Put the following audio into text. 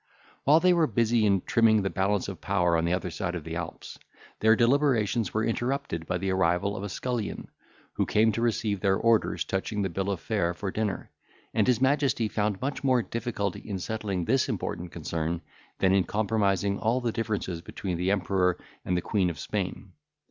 While they were busy in trimming the balance of power on the other side of the Alps, their deliberations were interrupted by the arrival of a scullion, who came to receive their orders touching the bill of fare for dinner, and his majesty found much more difficulty in settling this important concern, than in compromising all the differences between the Emperor and the Queen of Spain.